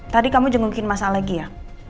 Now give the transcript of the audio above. tadi kamu jengukin masalah dia